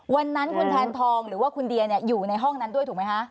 วันนั้นคุณแทนทองหรือว่าคุณเดียอยู่ในห้องนั้นด้วยถูกไหมคะ